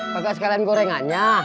pak kak sekalian gorengannya